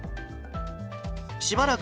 しばらく